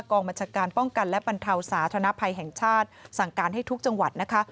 กองบัญชาการป้องกันและบรรเทาสาธารณภัยแห่งชาติสั่งการให้ทุกจังหวัดนะคะ